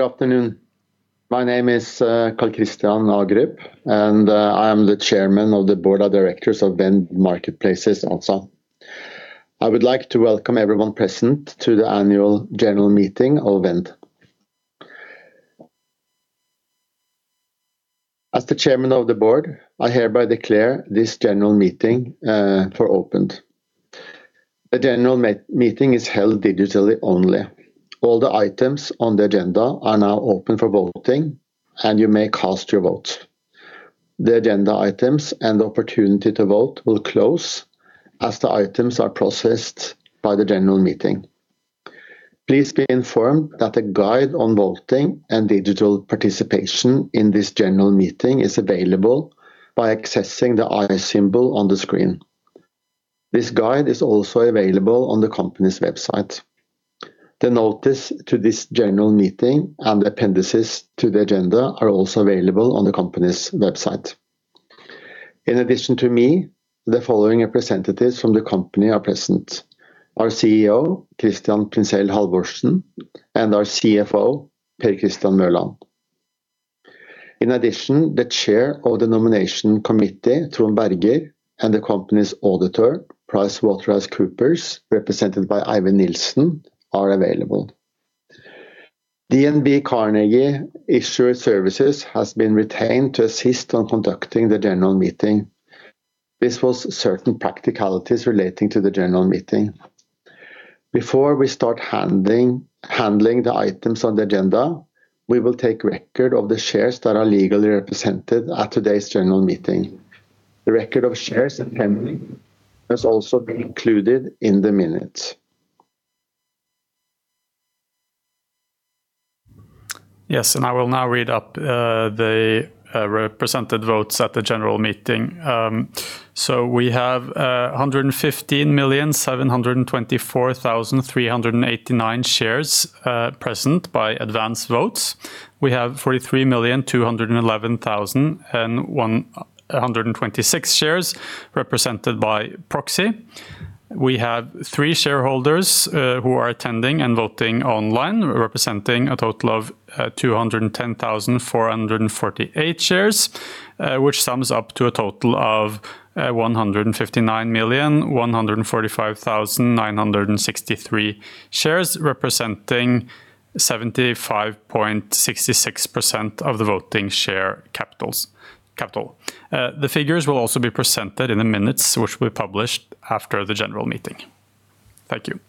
Good afternoon. My name is Karl-Christian Agerup, and I am the Chairman of the Board of Directors of Vend Marketplaces ASA. I would like to welcome everyone present to the Annual General Meeting of Vend. As the Chairman of the Board, I hereby declare this general meeting for opened. The general meeting is held digitally only. All the items on the agenda are now open for voting, and you may cast your votes. The agenda items and the opportunity to vote will close as the items are processed by the general meeting. Please be informed that a guide on voting and digital participation in this general meeting is available by accessing the i symbol on the screen. This guide is also available on the company's website. The notice to this general meeting and appendices to the agenda are also available on the company's website. In addition to me, the following representatives from the company are present: our CEO, Christian Printzell Halvorsen, and our CFO, Per Christian Mørland. In addition, the Chair of the Nomination Committee, Trond Berger, and the company's auditor, PricewaterhouseCoopers, represented by Eivind Nilsen, are available. DNB Carnegie Issuance Services has been retained to assist on conducting the general meeting. This was certain practicalities relating to the general meeting. Before we start handling the items on the agenda, we will take record of the shares that are legally represented at today's general meeting. The record of shares attending has also been included in the minutes. Yes, I will now read up the represented votes at the general meeting. We have 115 million 724,389 shares present by advanced votes. We have 43 million 211,126 shares represented by proxy. We have three shareholders who are attending and voting online, representing a total of 210,448 shares, which sums up to a total of 159 million 145,963 shares, representing 75.66% of the voting share capital. The figures will also be presented in the minutes, which will be published after the general meeting. Thank you.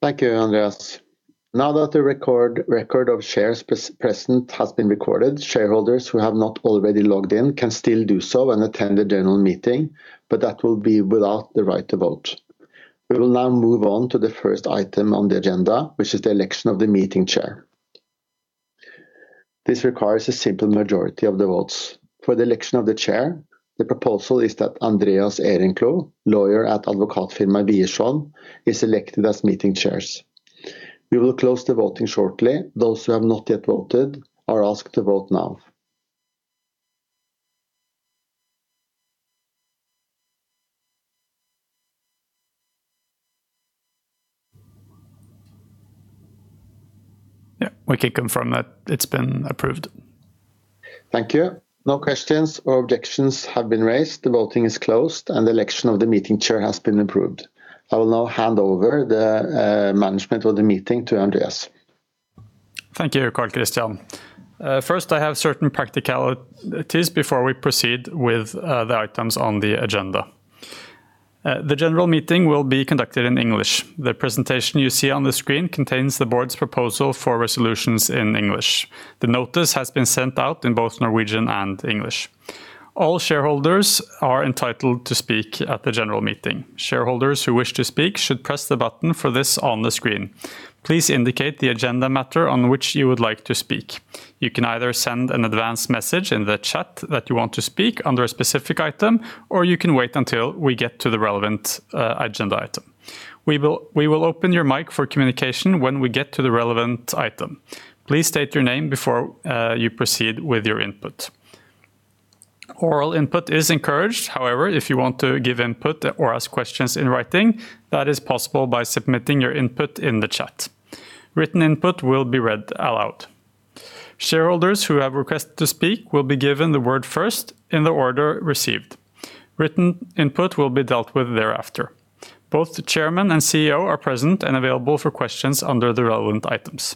Thank you, Andreas. Now that the record of shares present has been recorded, shareholders who have not already logged in can still do so and attend the general meeting, that will be without the right to vote. We will now move on to the first item on the agenda, which is the election of the meeting chair. This requires a simple majority of the votes. For the election of the chair, the proposal is that Andreas Ehrenclou, lawyer at Advokatfirmaet Wiersholm, is elected as meeting chair. We will close the voting shortly. Those who have not yet voted are asked to vote now. Yeah, we can confirm that it's been approved. Thank you. No questions or objections have been raised. The voting is closed, and the election of the meeting chair has been approved. I will now hand over the management of the meeting to Andreas. Thank you, Karl-Christian. First, I have certain practicalities before we proceed with the items on the agenda. The general meeting will be conducted in English. The presentation you see on the screen contains the board's proposal for resolutions in English. The notice has been sent out in both Norwegian and English. All shareholders are entitled to speak at the general meeting. Shareholders who wish to speak should press the button for this on the screen. Please indicate the agenda matter on which you would like to speak. You can either send an advance message in the chat that you want to speak under a specific item, or you can wait until we get to the relevant agenda item. We will open your mic for communication when we get to the relevant item. Please state your name before you proceed with your input. Oral input is encouraged. If you want to give input or ask questions in writing, that is possible by submitting your input in the chat. Written input will be read aloud. Shareholders who have requested to speak will be given the word first in the order received. Written input will be dealt with thereafter. Both the Chairman and CEO are present and available for questions under the relevant items.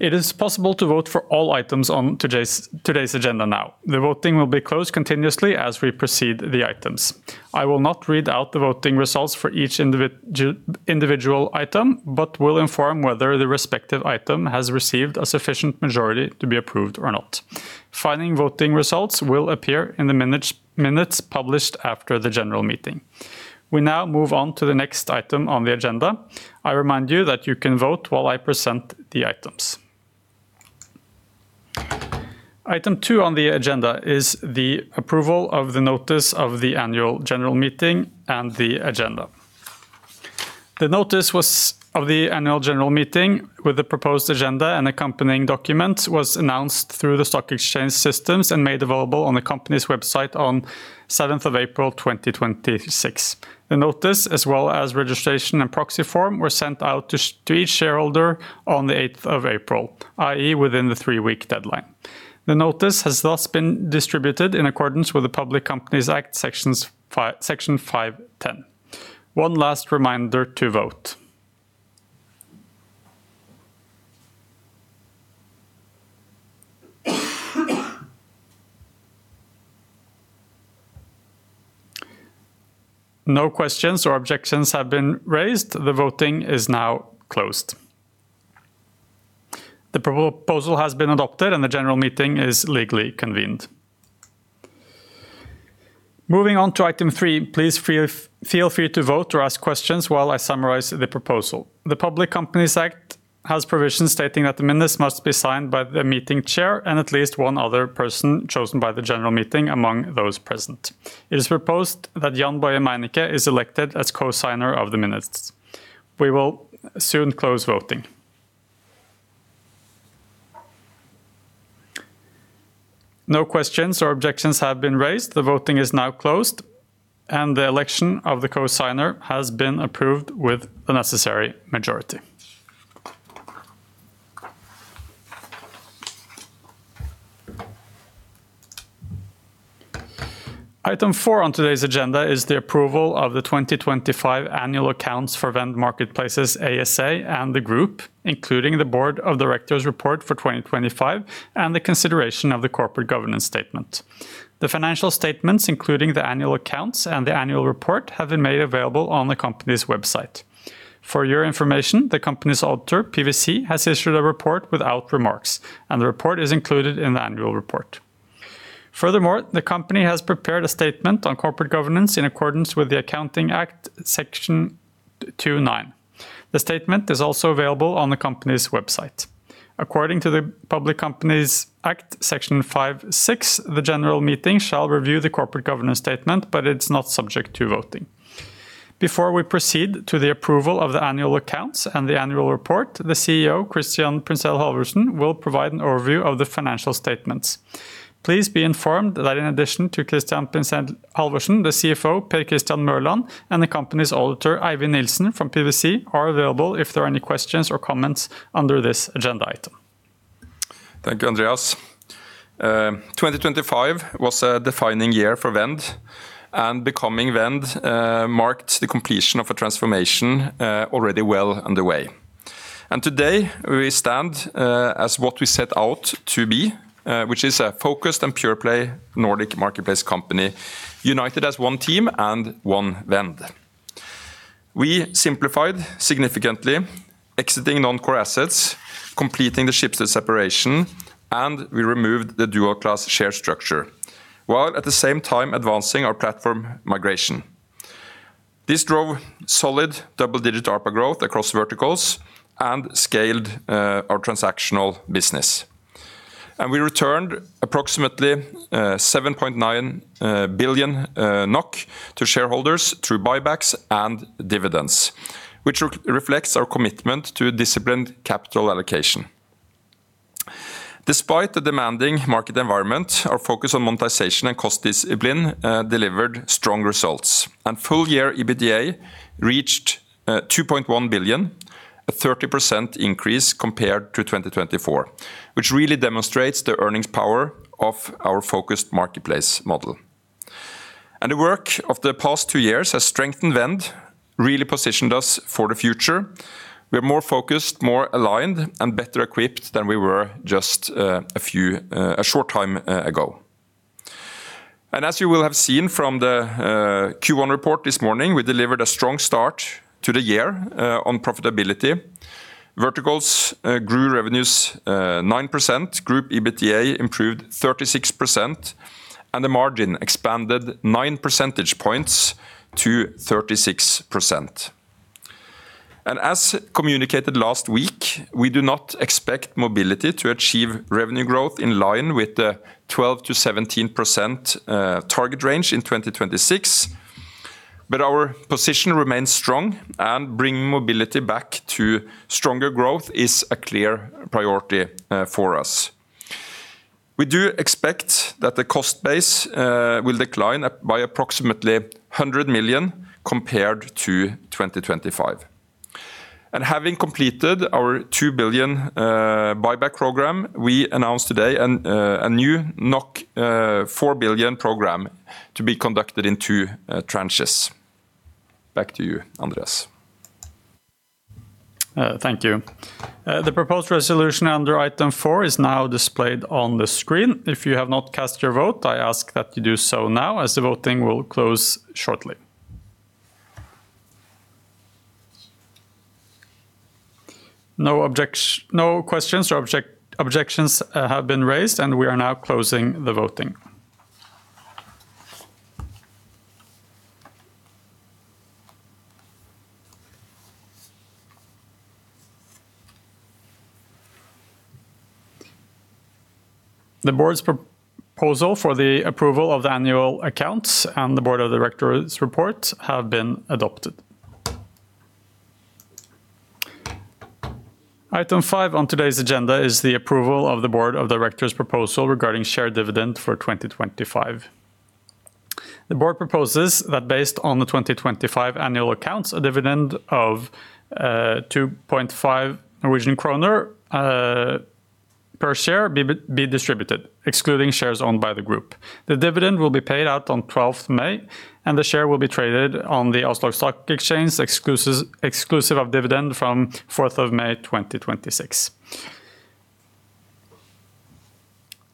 It is possible to vote for all items on today's agenda now. The voting will be closed continuously as we proceed the items. I will not read out the voting results for each individual item, but will inform whether the respective item has received a sufficient majority to be approved or not. Final voting results will appear in the minutes published after the general meeting. We now move on to the next item on the agenda. I remind you that you can vote while I present the items. Item 2 on the agenda is the approval of the notice of the Annual General Meeting and the agenda. The notice of the Annual General Meeting with the proposed agenda and accompanying documents was announced through the stock exchange systems and made available on the company's website on 7th of April, 2026. The notice, as well as registration and proxy form, were sent out to each shareholder on the 8th of April, i.e., within the three week deadline. The notice has thus been distributed in accordance with the Public Companies Act section 5-10. One last reminder to vote. No questions or objections have been raised. The voting is now closed. The proposal has been adopted, and the general meeting is legally convened. Moving on to item 3. Please feel free to vote or ask questions while I summarize the proposal. The Public Companies Act has provisions stating that the minutes must be signed by the meeting chair and at least one other person chosen by the general meeting among those present. It is proposed that Jann-Boje Meinecke is elected as co-signer of the minutes. We will soon close voting. No questions or objections have been raised. The voting is now closed, and the election of the co-signer has been approved with the necessary majority. Item 4 on today's agenda is the approval of the 2025 annual accounts for Vend Marketplaces ASA and the group, including the Board of Directors' report for 2025 and the consideration of the corporate governance statement. The financial statements, including the annual accounts and the annual report, have been made available on the company's website. For your information, the company's auditor, PwC, has issued a report without remarks, and the report is included in the annual report. Furthermore, the company has prepared a statement on corporate governance in accordance with the Accounting Act, Section 2-9. The statement is also available on the company's website. According to the Public Companies Act, Section 5-6, the general meeting shall review the corporate governance statement, but it's not subject to voting. Before we proceed to the approval of the annual accounts and the annual report, the CEO, Christian Printzell Halvorsen, will provide an overview of the financial statements. Please be informed that in addition to Christian Printzell Halvorsen, the CFO, Per Christian Mørland, and the company's auditor, Eivind Nilsen from PwC, are available if there are any questions or comments under this agenda item. Thank you, Andreas. 2025 was a defining year for Vend, and becoming Vend marked the completion of a transformation already well underway. Today, we stand as what we set out to be, which is a focused and pure play Nordic marketplace company, united as one team and one Vend. We simplified significantly exiting non-core assets, completing the Schibsted separation, and we removed the dual class share structure, while at the same time advancing our platform migration. This drove solid double-digit ARPA growth across verticals and scaled our transactional business. We returned approximately 7.9 billion NOK to shareholders through buybacks and dividends, which re-reflects our commitment to disciplined capital allocation. Despite the demanding market environment, our focus on monetization and cost discipline delivered strong results. Full year EBITDA reached 2.1 billion, a 30% increase compared to 2024, which really demonstrates the earnings power of our focused marketplace model. The work of the past two years has strengthened Vend, really positioned us for the future. We are more focused, more aligned, and better equipped than we were just a few, a short time ago. As you will have seen from the Q1 report this morning, we delivered a strong start to the year on profitability. Verticals grew revenues 9%, group EBITDA improved 36%, and the margin expanded 9 percentage points to 36%. As communicated last week, we do not expect Mobility to achieve revenue growth in line with the 12%-17% target range in 2026. Our position remains strong, and bringing Mobility back to stronger growth is a clear priority for us. We do expect that the cost base will decline up by approximately 100 million compared to 2025. Having completed our 2 billion buyback program, we announced today a new 4 billion program to be conducted in two tranches. Back to you, Andreas. Thank you. The proposed resolution under Item 4 is now displayed on the screen. If you have not cast your vote, I ask that you do so now, as the voting will close shortly. No questions or objections have been raised, and we are now closing the voting. The Board's proposal for the approval of the annual accounts and the Board of Directors' report have been adopted. Item 5 on today's agenda is the approval of the Board of Directors' proposal regarding share dividend for 2025. The Board proposes that based on the 2025 annual accounts, a dividend of 2.5 Norwegian kroner per share be distributed, excluding shares owned by the group. The dividend will be paid out on 12th May, and the share will be traded on the Oslo Stock Exchange exclusive of dividend from 4th of May 2026.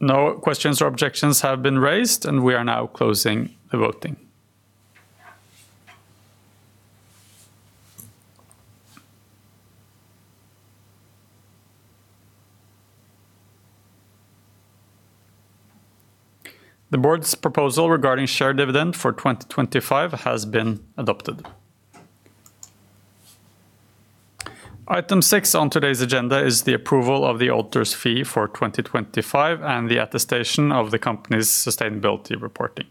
No questions or objections have been raised, and we are now closing the voting. The Board's proposal regarding share dividend for 2025 has been adopted. Item 6 on today's agenda is the approval of the auditor's fee for 2025 and the attestation of the company's sustainability reporting.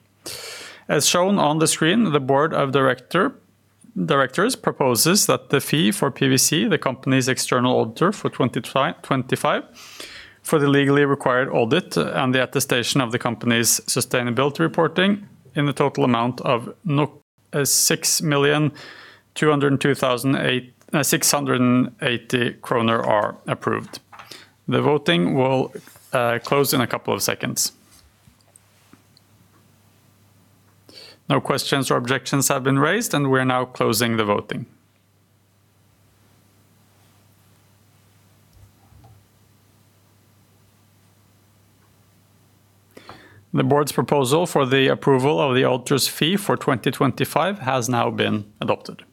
As shown on the screen, the Board of Directors proposes that the fee for PwC, the company's external auditor for 2025, for the legally required audit and the attestation of the company's sustainability reporting in the total amount of 6,202,680 kroner are approved. The voting will close in a couple of seconds. No questions or objections have been raised, and we're now closing the voting. The Board's proposal for the approval of the auditor's fee for 2025 has now been adopted.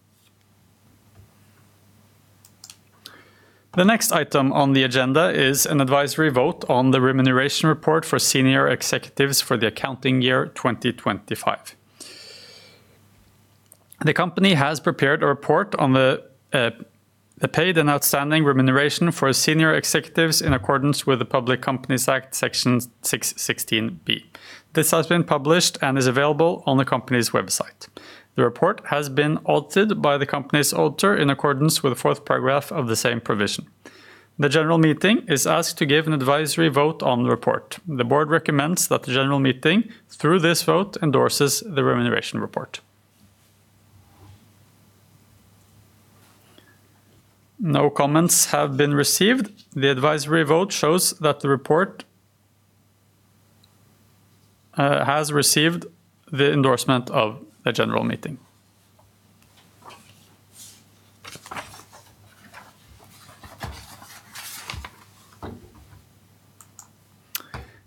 The next item on the agenda is an advisory vote on the remuneration report for senior executives for the accounting year 2025. The company has prepared a report on the paid and outstanding remuneration for senior executives in accordance with the Public Companies Act, Section 6-16 B. This has been published and is available on the company's website. The report has been altered by the company's auditor in accordance with the fourth paragraph of the same provision. The general meeting is asked to give an advisory vote on the report. The Board recommends that the general meeting, through this vote, endorses the remuneration report. No comments have been received. The advisory vote shows that the report has received the endorsement of the general meeting.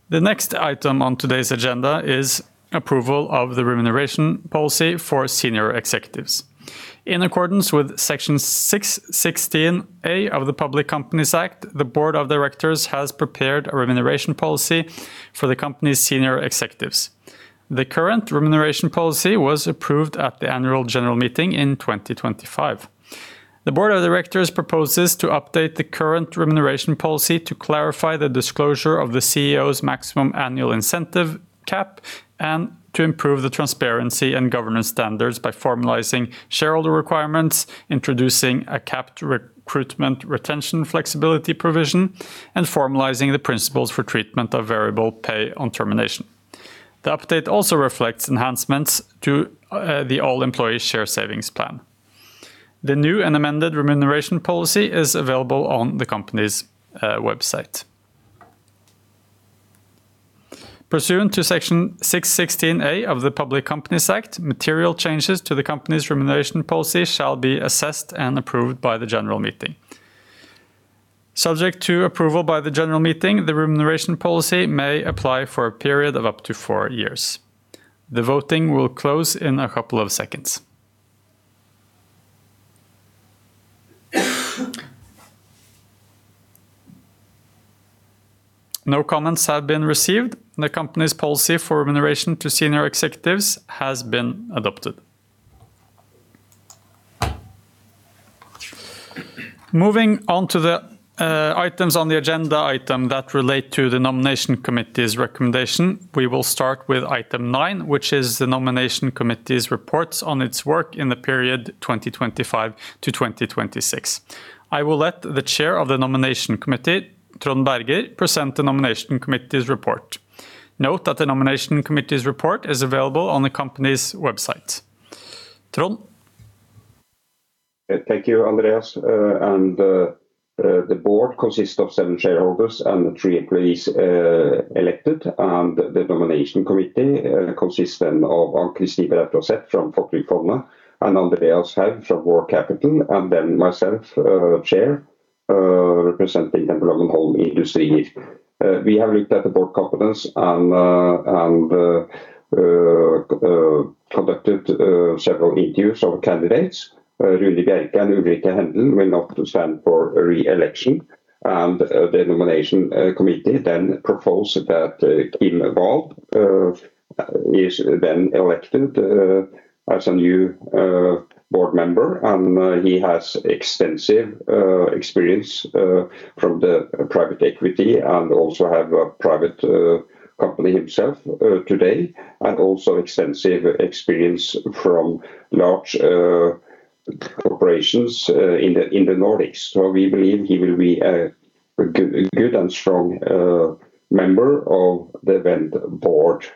The next item on today's agenda is approval of the remuneration policy for senior executives. In accordance with Section 616 A of the Public Companies Act, the Board of Directors has prepared a remuneration policy for the company's senior executives. The current remuneration policy was approved at the Annual General Meeting in 2025. The Board of Directors proposes to update the current remuneration policy to clarify the disclosure of the CEO's maximum annual incentive cap and to improve the transparency and governance standards by formalizing shareholder requirements, introducing a capped recruitment retention flexibility provision, and formalizing the principles for treatment of variable pay on termination. The update also reflects enhancements to the All Employee Share Savings Plan. The new and amended remuneration policy is available on the company's website. Pursuant to Section 616 A of the Public Companies Act, material changes to the company's remuneration policy shall be assessed and approved by the general meeting. Subject to approval by the general meeting, the remuneration policy may apply for a period of up to four years. The voting will close in a couple of seconds. No comments have been received. The company's policy for remuneration to senior executives has been adopted. Moving on to the items on the agenda item that relate to the Nomination Committee's recommendation. We will start with Item 9, which is the Nomination Committee's reports on its work in the period 2025 to 2026. I will let the chair of the Nomination Committee, Trond Berger, present the Nomination Committee's report. Note that the Nomination Committee's report is available on the company's website. Trond? Thank you, Andreas. The board consists of seven shareholders and three employees elected, and the Nomination Committee consists then of Ann Kristin Brautaset from Folketrygdfondet and Andreas Haug from Vor Capital, and then myself, Chair, representing Blommenholm Industrier. We have looked at the board competence and conducted several interviews of candidates. Rune Bjerke and Ulrike Handel will not stand for re-election, the Nomination Committee then proposed that Kim Wahl is then elected as a new board member, and he has extensive experience from the private equity and also have a private company himself today, and also extensive experience from large corporations in the Nordics. We believe he will be a good and strong member of the Vend board.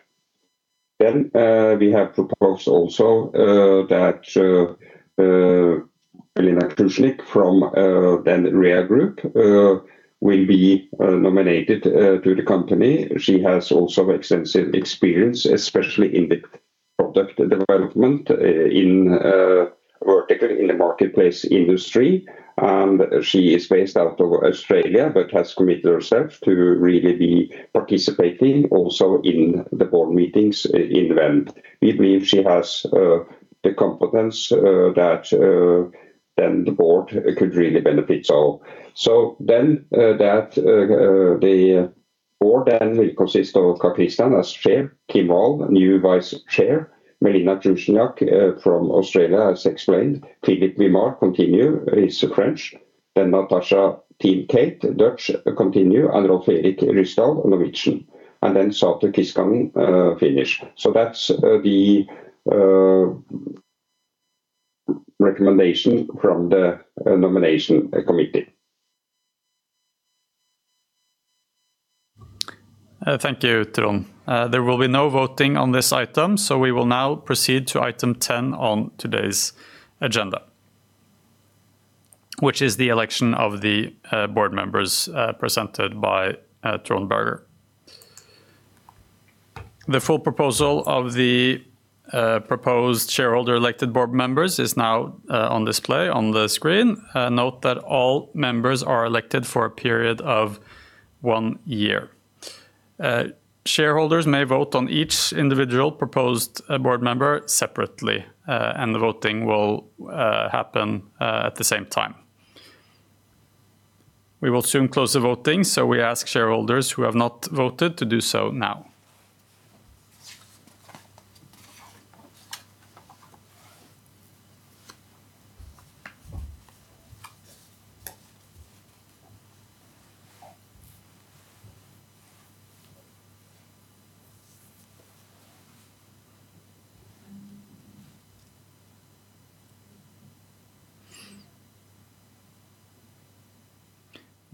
We have proposed also that Melina Cruickshank from Vend REA Group will be nominated to the company. She has also extensive experience, especially in the product development in vertical in the marketplace industry. She is based out of Australia but has committed herself to really be participating also in the board meetings in Vend. We believe she has the competence that the board could really benefit. The Board will consist of Karl-Christian as chair, Kim Wahl, new Vice Chair, Melina Cruickshank from Australia as explained. Philippe Vimard continue, he's French. Natasha ten Cate, Dutch, continue, Rolv Erik Ryssdal, Norwegian, Satu Kiiskinen, Finnish. That's the recommendation from the Nomination Committee. Thank you, Trond. There will be no voting on this item, so we will now proceed to Item 10 on today's agenda, which is the election of the board members, presented by Trond Berger. The full proposal of the proposed shareholder elected board members is now on display on the screen. Note that all members are elected for a period of one year. Shareholders may vote on each individual proposed board member separately, and the voting will happen at the same time. We will soon close the voting, so we ask shareholders who have not voted to do so now.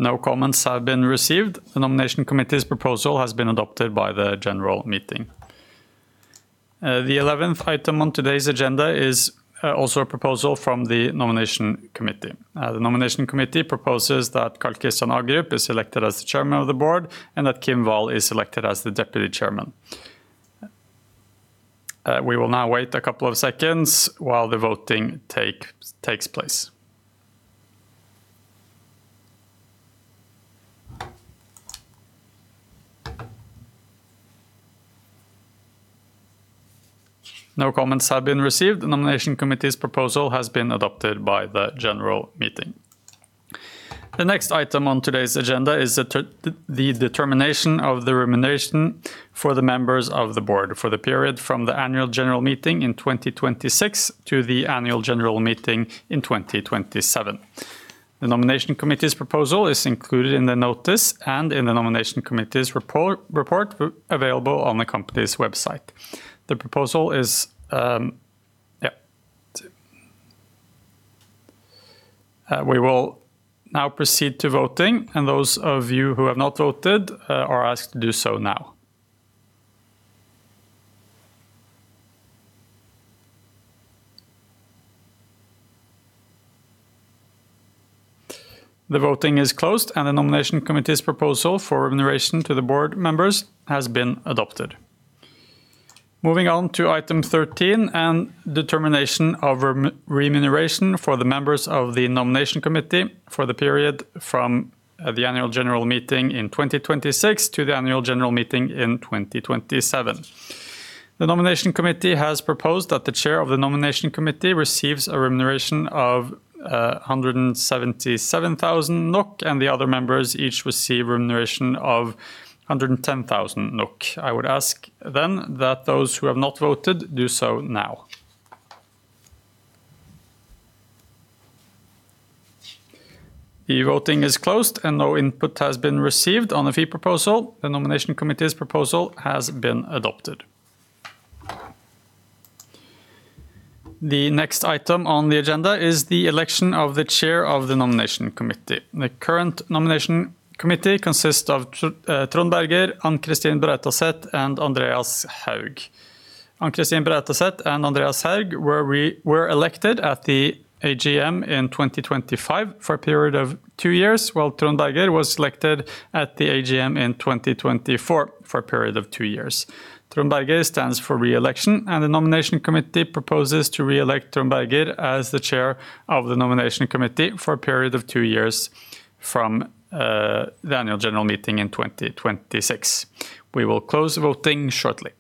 No comments have been received. The Nomination Committee's proposal has been adopted by the general meeting. The 11th item on today's agenda is also a proposal from the Nomination Committee. The Nomination Committee proposes that Karl-Christian Agerup is elected as the Chairman of the Board and that Kim Wahl is elected as the deputy chairman. We will now wait a couple of seconds while the voting takes place. No comments have been received. The Nomination Committee's proposal has been adopted by the general meeting. The next item on today's agenda is the determination of the remuneration for the members of the board for the period from the Annual General Meeting in 2026 to the Annual General Meeting in 2027. The Nomination Committee's proposal is included in the notice and in the Nomination Committee's report available on the company's website. The proposal is. We will now proceed to voting, and those of you who have not voted, are asked to do so now. The voting is closed, and the Nomination Committee's proposal for remuneration to the board members has been adopted. Moving on to Item 13 and determination of remuneration for the members of the Nomination Committee for the period from the Annual General Meeting in 2026 to the Annual General Meeting in 2027. The Nomination Committee has proposed that the chair of the Nomination Committee receives a remuneration of 177,000 NOK, and the other members each receive remuneration of 110,000 NOK. I would ask then that those who have not voted do so now. The voting is closed, and no input has been received on the fee proposal. The Nomination Committee's proposal has been adopted. The next item on the agenda is the election of the Chair of the Nomination Committee. The current Nomination Committee consists of Trond Berger, Ann Kristin Brautaset, and Andreas Haug. Ann Kristin Brautaset and Andreas Haug were elected at the AGM in 2025 for a period of two years, while Trond Berger was elected at the AGM in 2024 for a period of two years. Trond Berger stands for re-election. The Nomination Committee proposes to re-elect Trond Berger as the chair of the Nomination Committee for a period of two years from the Annual General Meeting in 2026. We will close the voting shortly.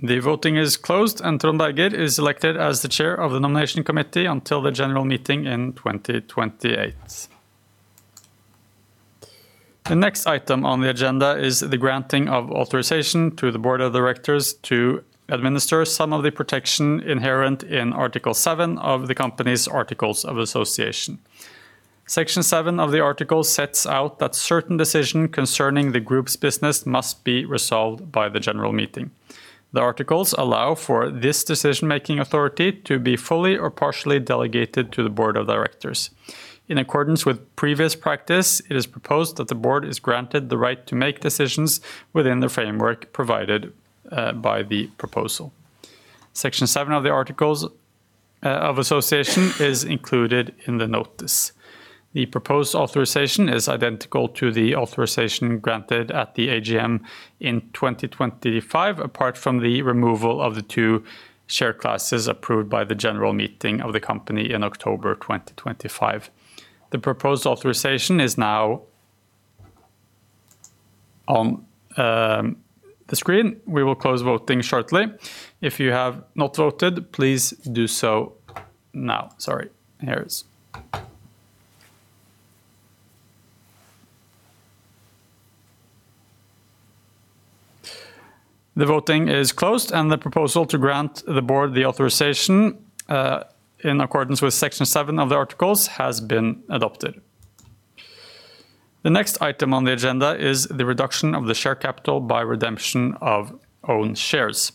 The voting is closed. Trond Berger is elected as the Chair of the Nomination Committee until the general meeting in 2028. The next item on the agenda is the granting of authorization to the Board of Directors to administer some of the protection inherent in Article 7 of the company's articles of association. Section 7 of the article sets out that certain decision concerning the group's business must be resolved by the general meeting. The articles allow for this decision-making authority to be fully or partially delegated to the Board of Directors. In accordance with previous practice, it is proposed that the board is granted the right to make decisions within the framework provided by the proposal. Section 7 of the articles of association is included in the notice. The proposed authorization is identical to the authorization granted at the AGM in 2025, apart from the removal of the two share classes approved by the general meeting of the company in October 2025. The proposed authorization is now on the screen. We will close voting shortly. If you have not voted, please do so now. Sorry, here it is. The voting is closed, and the proposal to grant the board the authorization, in accordance with Section 7 of the articles has been adopted. The next item on the agenda is the reduction of the share capital by redemption of own shares.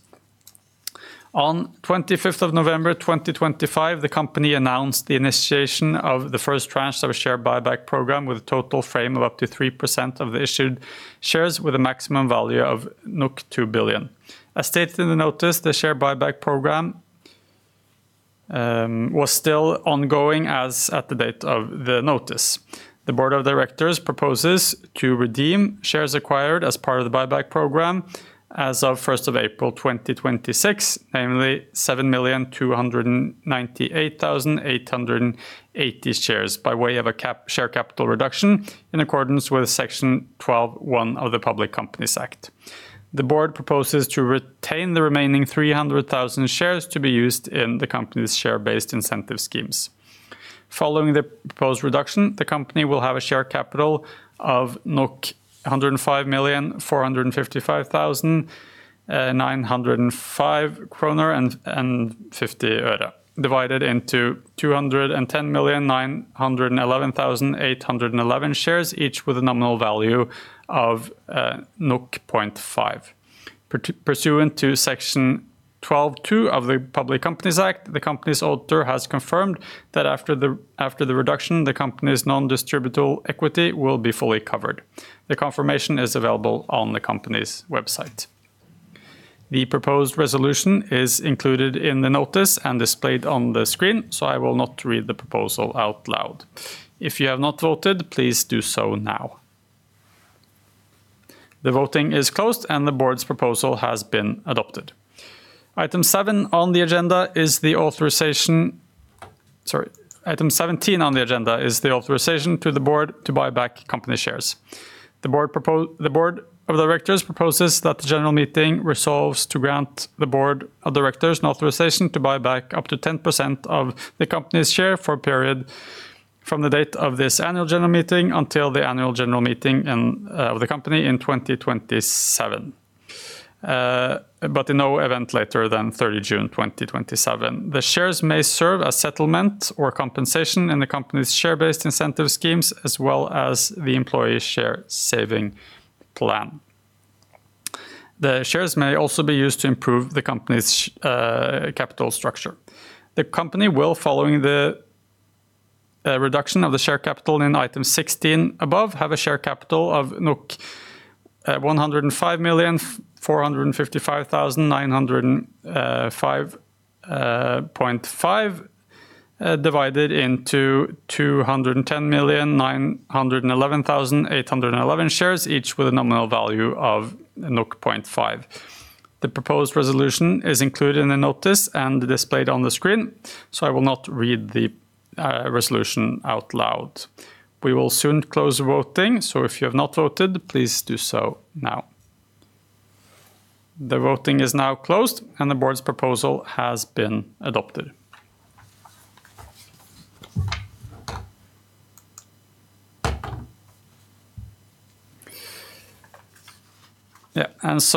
On 25th of November, 2025, the company announced the initiation of the first tranche of a share buyback program with a total frame of up to 3% of the issued shares with a maximum value of 2 billion. As stated in the notice, the share buyback program was still ongoing as at the date of the notice. The Board of Directors proposes to redeem shares acquired as part of the buyback program as of 1st of April, 2026, namely 7,298,880 shares by way of a cap share capital reduction in accordance with Section 12-1 of the Public Companies Act. The Board proposes to retain the remaining 300,000 shares to be used in the company's share-based incentive schemes. Following the proposed reduction, the company will have a share capital of NOK 105,455,905.50, divided into 210,911,811 shares, each with a nominal value of 0.5. Pursuant to Section 12-2 of the Public Companies Act, the company's auditor has confirmed that after the reduction, the company's non-distributable equity will be fully covered. The confirmation is available on the company's website. The proposed resolution is included in the notice and displayed on the screen, so I will not read the proposal out loud. If you have not voted, please do so now. The voting is closed, and the Board's proposal has been adopted. Item 7 on the agenda is the authorization. Sorry. Item 17 on the agenda is the authorization to the Board to buy back company shares. The Board of Directors proposes that the general meeting resolves to grant the Board of Directors an authorization to buy back up to 10% of the company's share for a period from the date of this Annual General Meeting until the Annual General Meeting of the company in 2027, but in no event later than June 30, 2027. The shares may serve as settlement or compensation in the company's share-based incentive schemes, as well as the employee share saving plan. The shares may also be used to improve the company's capital structure. The company will, following the reduction of the share capital in Item 16 above, have a share capital of NOK 105 million, 455,905.5, divided into 210 million, 911,811 shares, each with a nominal value of 0.5. The proposed resolution is included in the notice and displayed on the screen, I will not read the resolution out loud. We will soon close the voting, if you have not voted, please do so now. The voting is now closed, the Board's proposal has been adopted.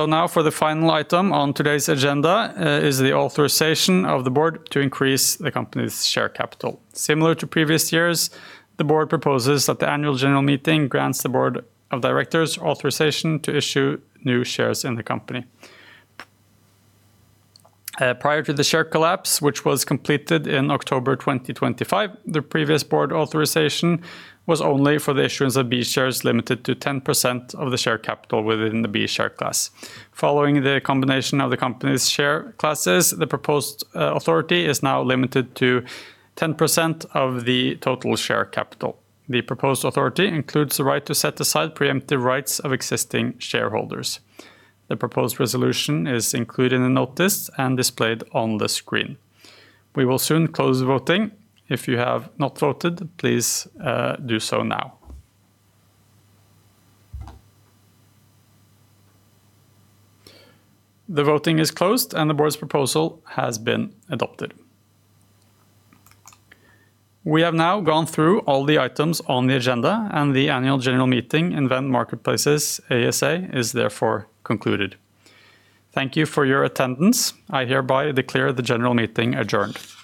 Now for the final item on today's agenda, is the authorization of the Board to increase the company's share capital. Similar to previous years, the Board proposes that the Annual General Meeting grants the Board of Directors authorization to issue new shares in the company. Prior to the share collapse, which was completed in October 2025, the previous board authorization was only for the issuance of B shares limited to 10% of the share capital within the B share class. Following the combination of the company's share classes, the proposed authority is now limited to 10% of the total share capital. The proposed authority includes the right to set aside preemptive rights of existing shareholders. The proposed resolution is included in the notice and displayed on the screen. We will soon close the voting. If you have not voted, please do so now. The voting is closed, and the board's proposal has been adopted. We have now gone through all the items on the agenda, and the Annual General Meeting in Vend Marketplaces ASA is therefore concluded. Thank you for your attendance. I hereby declare the general meeting adjourned.